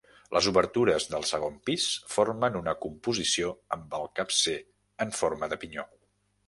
Les obertures del segon pis formen una composició amb el capcer en forma de pinyó.